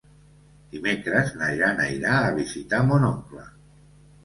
Dimecres na Jana irà a visitar mon oncle.